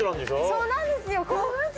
そうなんですよ。